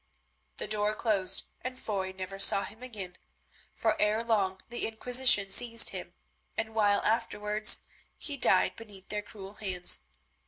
The door closed and Foy never saw him again, for ere long the Inquisition seized him and a while afterwards he died beneath their cruel hands.